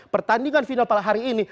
pertandingan final pada hari ini